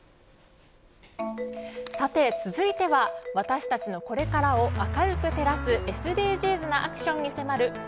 さて続いては私たちのこれからを明るく照らすＳＤＧｓなアクションに迫る＃